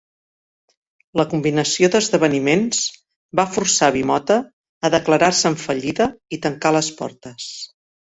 La combinació d'esdeveniments va forçar Bimota a declarar-se en fallida i tancar les portes.